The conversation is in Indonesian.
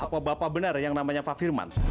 apa bapak benar yang namanya fafirman